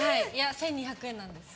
１２００円なんです。